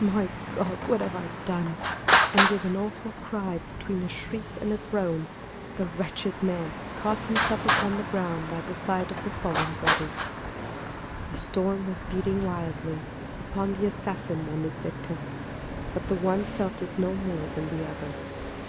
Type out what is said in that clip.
My God! what have I done?" And with an awful cry, between a shriek and a groan, the wretched man cast himself upon the ground by the side of the fallen body. The storm was beating wildly upon the assassin and his victim; but the one felt it no more than the other.